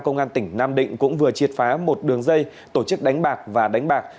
công an tỉnh nam định cũng vừa triệt phá một đường dây tổ chức đánh bạc và đánh bạc